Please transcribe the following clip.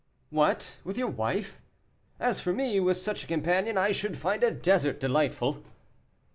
"What, with your wife? As for me, with such a companion I should find a desert delightful."